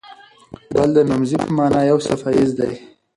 بل د نومځي په مانا یو څپیز دی.